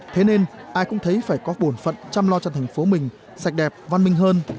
thế nên ai cũng thấy phải có bổn phận chăm lo cho thành phố mình sạch đẹp văn minh hơn